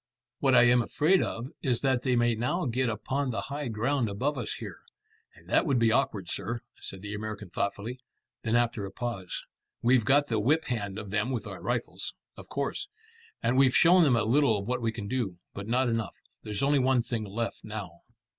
"What I am afraid of is that they may now get upon the high ground above us here." "And that would be awkward, sir," said the American thoughtfully. Then after a pause "We've got the whip hand of them with our rifles." "Of course." "And we've shown them a little of what we can do, but not enough. There's only one thing left now."